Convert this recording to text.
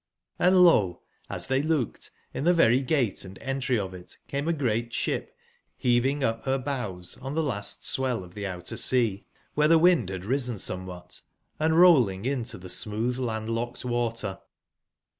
Hnd lot as tbey looked, in tbc very gate and entry of it came a great sbip beaving up bcr bows on tbe last swell of tbe outer sea (wbere 1 2 147 tbc wind bad riecn somewhat), and rolling into the smooth, land/locked water.